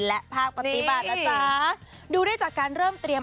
และภาคปฏิบัตินะจ๊ะดูได้จากการเริ่มเตรียม